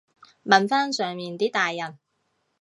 問返上面啲大人